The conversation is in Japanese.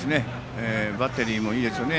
バッテリーもいいですよね。